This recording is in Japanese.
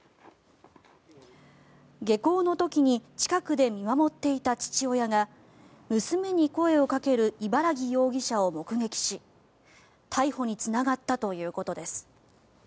下校の時に近くで見守っていた父親が娘に声をかける茨木容疑者を目撃し逮捕につながったということです。